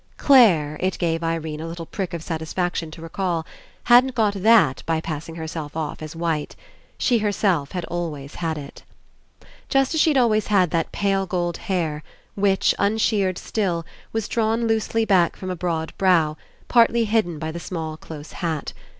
Clare, it gave Irene a little prick of satisfaction to recall, hadn't got that by pass ing herself off as white. She herself had always had it. Just as she'd always had that pale gold hair, which, unsheared still, was drawn loosely back from a broad brow, partly hidden by the small close hat.